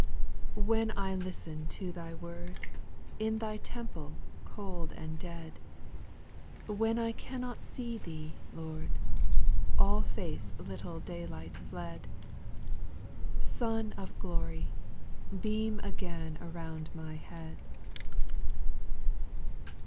3. When I listen to Thy word, In Thy temple cold and dead ; When I cannot see Thee, Lord, All faith's little day light fled, — Sun of glory. Beam again around my head.